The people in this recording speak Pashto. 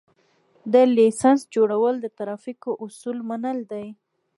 د لېسنس جوړول د ترافیکو اصول منل دي